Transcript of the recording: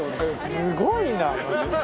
すごいな！